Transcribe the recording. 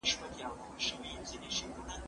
زه به سبا سپينکۍ پرېولم؟